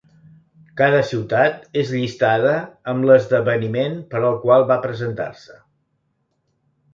Cada ciutat és llistada amb l'esdeveniment per al qual va presentar-se.